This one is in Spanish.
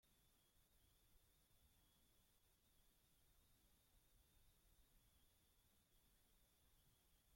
Llevó a cabo importantes proyectos de construcción, incluyendo un rediseño del centro de Copán.